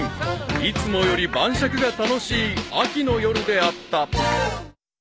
［いつもより晩酌が楽しい秋の夜であった］